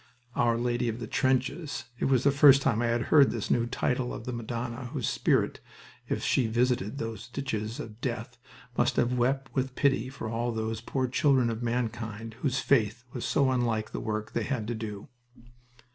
"Our Lady of the Trenches!" It was the first time I had heard of this new title of the Madonna, whose spirit, if she visited those ditches of death, must have wept with pity for all those poor children of mankind whose faith was so unlike the work they had to do.